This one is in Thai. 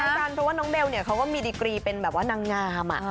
กันเพราะว่าน้องเบลเขาก็มีดีกรีเป็นแบบว่านางงาม